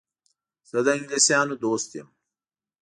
زه د انګلیسیانو دوست یم.